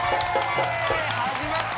始まった！